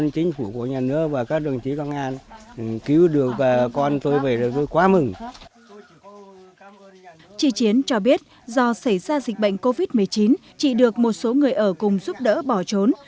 chị chiến cho biết do xảy ra dịch bệnh covid một mươi chín chị được một số người ở cùng giúp đỡ bỏ trốn